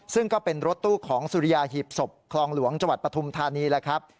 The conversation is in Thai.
ซึ่งก็เป็นรถตู้ของสุริยาหีบศพคลองหลวงจังหวัดปฐุมธานีแล้วครับ